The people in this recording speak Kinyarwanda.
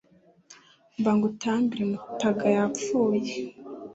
Mbagutambire Mutaga yapfuye,